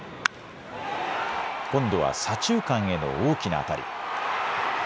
今度は左中間への大きな当たり。